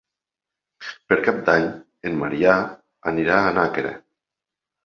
Per Cap d'Any en Maria anirà a Nàquera.